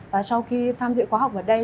và sau khi tham dự khóa học ở đây